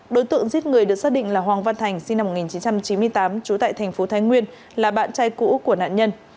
đối tượng giết người được xác định là hoàng văn thành sinh năm một nghìn chín trăm chín mươi tám trú tại thành phố thái nguyên là bạn trai cũ của nạn nhân